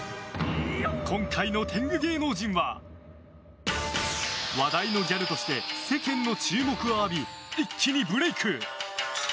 今回の天狗芸能人は話題のギャルとして世間の注目を浴び一気にブレーク！